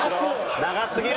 長すぎる。